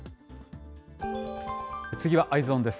次はＥｙｅｓｏｎです。